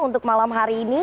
untuk malam hari ini